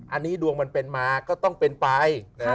อันนี้ดวงมันเป็นมาก็ต้องเป็นไป